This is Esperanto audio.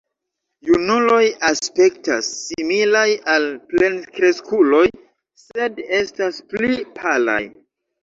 Junuloj aspektas similaj al plenkreskuloj, sed estas pli palaj.